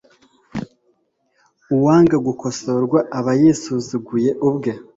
uwanga gukosorwa aba yisuzuguye ubwe